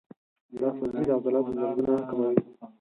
دا سبزی د عضلاتو دردونه کموي.